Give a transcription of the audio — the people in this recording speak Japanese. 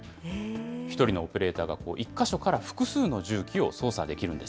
１人のオペレーターが１か所から複数の重機を操作できるんです。